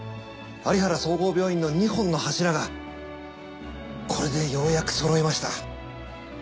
有原総合病院の二本の柱がこれでようやく揃いました。